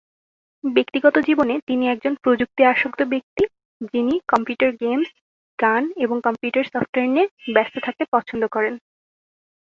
ব্যক্তিগত জীবনে তিনি একজন প্রযুক্তি আসক্ত ব্যক্তি যিনি কম্পিউটার গেমস, গান এবং কম্পিউটার সফটওয়্যার নিয়ে ব্যস্ত থাকতে পছন্দ করেন।